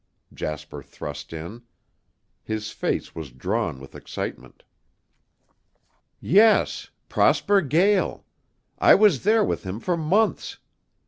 Jasper thrust in. His face was drawn with excitement. "Yes. Prosper Gael. I was there with him for months.